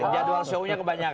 jadwal show nya kebanyakan